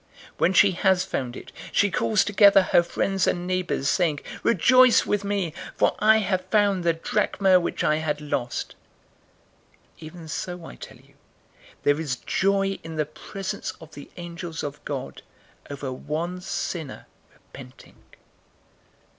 015:009 When she has found it, she calls together her friends and neighbors, saying, 'Rejoice with me, for I have found the drachma which I had lost.' 015:010 Even so, I tell you, there is joy in the presence of the angels of God over one sinner repenting."